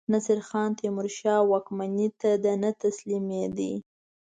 نصیرخان تیمورشاه واکمنۍ ته نه تسلیمېدی.